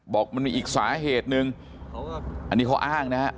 บอกมันมีอีกสาเหตุหนึ่งอันนี้เขาอ้างนะฮะ